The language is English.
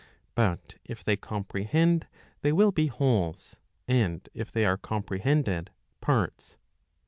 But if they comprehend, they will be wholes, and if they are comprehended, parts.